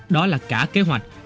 đó là cả kế hoạch